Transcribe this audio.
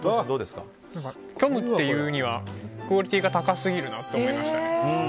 虚無って言うにはクオリティーが高すぎるなと思いました。